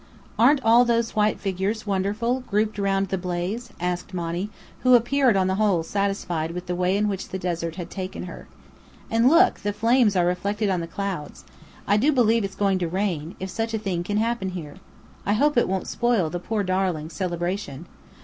"Aren't all those white figures wonderful, grouped round the blaze?" asked Monny, who appeared on the whole satisfied with the way in which the desert had taken her. "And look, the flames are reflected on the clouds. I do believe it's going to rain, if such a thing can happen here! I hope it won't spoil the poor darlings' celebration.